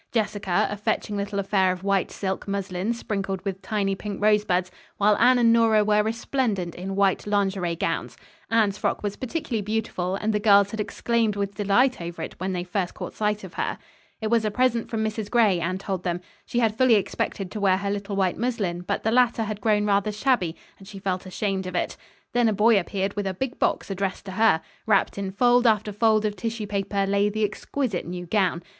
Jessica, a fetching little affair of white silk muslin sprinkled with tiny pink rosebuds; while Anne and Nora were resplendent in white lingerie gowns. Anne's frock was particularly beautiful and the girls had exclaimed with delight over it when they first caught sight of her. It was a present from Mrs. Gray, Anne told them. She had fully expected to wear her little white muslin, but the latter had grown rather shabby and she felt ashamed of it. Then a boy appeared with a big box addressed to her. Wrapped in fold after fold of tissue paper lay the exquisite new gown.